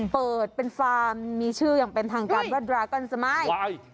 เปิดเป็นฟาร์มมีชื่ออย่างเป็นทางการว่าดรากอนสมาย